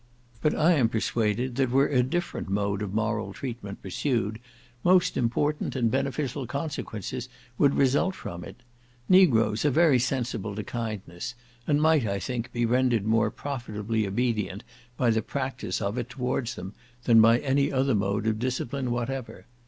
But I am persuaded that were a different mode of moral treatment pursued, most important and beneficial consequences would result from it. Negroes are very sensible to kindness, and might, I think, be rendered more profitably obedient by the practice of it towards them, than by any other mode of discipline whatever.